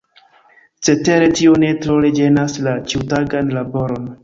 Cetere tio ne tro ĝenas la ĉiutagan laboron.